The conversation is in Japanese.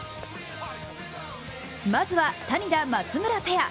まずは、谷田・松村ペア。